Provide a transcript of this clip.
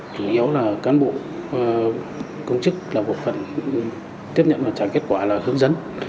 chủ yếu là cán bộ công chức là bộ phận tiếp nhận và trả kết quả là hướng dẫn